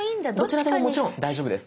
どちらでももちろん大丈夫です。